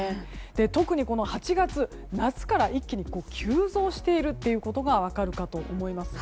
特に、８月夏から一気に急増しているということが分かるかと思います。